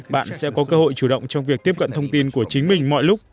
bạn sẽ có cơ hội chủ động trong việc tiếp cận thông tin của chính mình mọi lúc